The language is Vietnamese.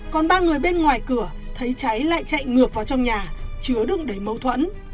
còn ba người bên ngoài cửa thấy cháy lại chạy ngược vào trong nhà chứa đựng đầy mâu thuẫn